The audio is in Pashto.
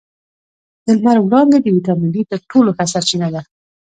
د لمر وړانګې د ویټامین ډي تر ټولو ښه سرچینه ده